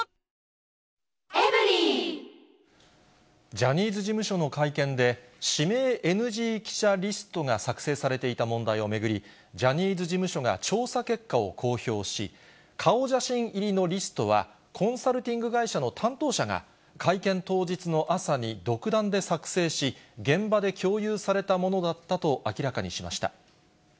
ジャニーズ事務所の会見で、指名ＮＧ記者リストが作成されていた問題を巡り、ジャニーズ事務所が調査結果を公表し、顔写真入りのリストは、コンサルティング会社の担当者が、会見当日の朝に独断で作成し、現場で共有されたものだったと明らかにしました。